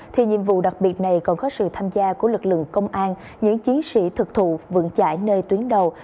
thì nhiệm vụ đặc biệt này còn có sự tham gia của lực lượng công an những chiến sĩ thực thụ vững chải nơi tuyến đầu